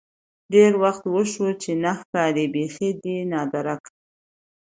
ډېر وخت وشو چې نه ښکارې بيخې ده نادركه.